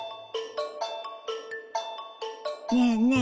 ねえねえ